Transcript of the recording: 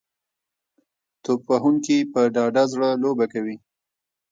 توپ وهونکي په ډاډه زړه لوبه کوي.